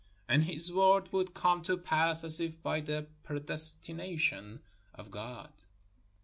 And his word would come to pass as if by the predestination of God.